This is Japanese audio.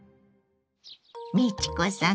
美智子さん